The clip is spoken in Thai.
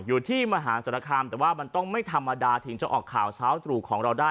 อยู่ที่มหาศาลคามแต่ว่ามันต้องไม่ธรรมดาถึงจะออกข่าวเช้าตรู่ของเราได้